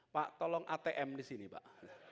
pak tolong atm disini pak